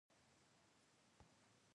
يو څه رامخته شوی و.